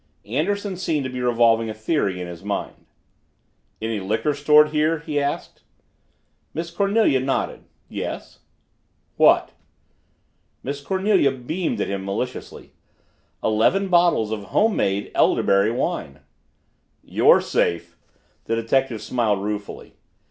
Anderson seemed to be revolving a theory in his mind. "Any liquor stored here?" he asked. Miss Cornelia nodded. "Yes." "What?" Miss Cornelia beamed at him maliciously. "Eleven bottles of home made elderberry wine." "You're safe." The detective smiled ruefully.